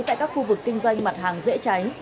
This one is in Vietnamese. tại các khu vực kinh doanh mặt hàng dễ cháy